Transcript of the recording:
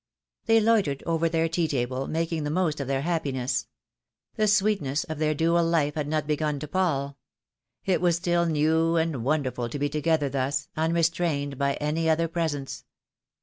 They loitered over their tea table, making the most of their happiness. The sweetness of their dual life had not begun to pall. It was still new and wonderful to be together thus, unrestrained by any other presence.